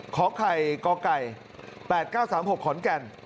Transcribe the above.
ขอไข่กไก่๘๙๓๖ขอนแก่น